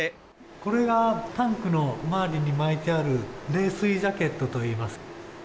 これがタンクのまわりに巻いてある冷水ジャケットといいます。